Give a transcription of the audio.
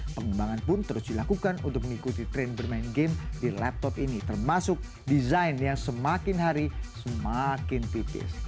pengembangan pun terus dilakukan untuk mengikuti tren bermain game di laptop ini termasuk desain yang semakin hari semakin tipis